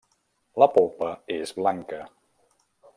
La polpa és blanca.